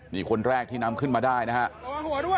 นี่คนแรกที่นำขึ้นมาได้นะครับ